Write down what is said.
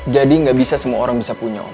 jadi gak bisa semua orang bisa punya om